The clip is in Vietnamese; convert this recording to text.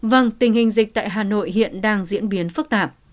vâng tình hình dịch tại hà nội hiện đang diễn biến phức tạp